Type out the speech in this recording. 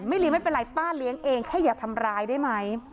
เลี้ยไม่เป็นไรป้าเลี้ยงเองแค่อย่าทำร้ายได้ไหม